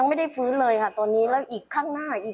ไม่รู้จะเป็นยังไง